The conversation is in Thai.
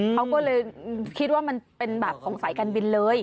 เขาก็เลยคิดว่ามันเป็นแบบของสายการบินเลย